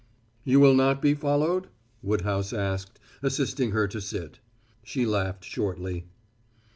"You will not be followed?" Woodhouse asked, assisting her to sit. She laughed shortly.